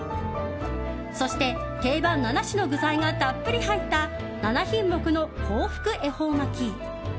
そして定番７種の具材がたっぷり入った七品目の幸福恵方巻。